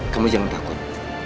kamu jangan takut